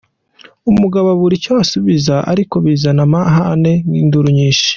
Umugabo abura icyo asubiza ariko bizana amahane n’induru nyinshi.